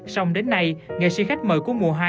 xong đến nay nghệ sĩ khách mời của mùa hai